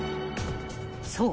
［そう。